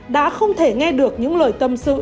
đã không thể nghe được những lời tâm sự